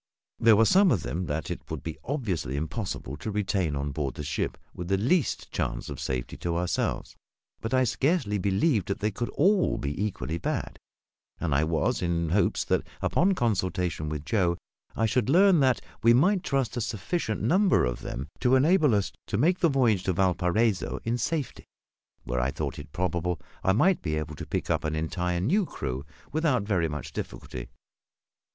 There were some of them that it would be obviously impossible to retain on board the ship with the least chance of safety to ourselves; but I scarcely believed they could all be equally bad, and I was in hopes that, upon consultation with Joe, I should learn that we might trust a sufficient number of them to enable us to make the voyage to Valparaiso in safety, where I thought it probable I might be able to pick up an entire new crew, without very much difficulty.